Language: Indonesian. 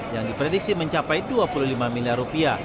yang diprediksi mencapai dua puluh lima miliar rupiah